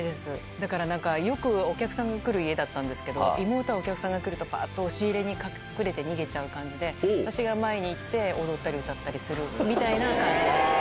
だからなんか、よくお客さんが来る家だったんですけど、妹はお客さんが来ると、ぱーっと押し入れに隠れて逃げちゃう感じで、私が前に行って、踊ったり歌ったりするみたいな感じ。